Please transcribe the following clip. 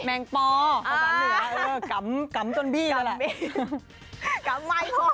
แมงปอเพราะว่าเหนือกำจนบี้แล้วแหละ